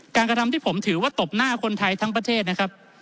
กระทำที่ผมถือว่าตบหน้าคนไทยทั้งประเทศนะครับ